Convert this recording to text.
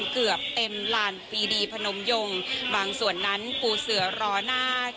เกือบเต็มลานปีดีพนมยงบางส่วนนั้นปูเสือรอหน้า